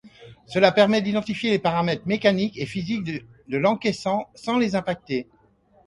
Cela permet d'identifier les paramètres mécaniques et physique de l'encaissant sans les impacter.